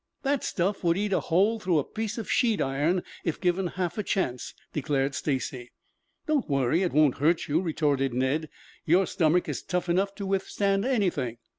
"That stuff would eat a hole through a piece of sheet iron if given half a chance," declared Stacy. "Don't worry. It won't hurt you," retorted Ned. "Your stomach is tough enough to withstand anything."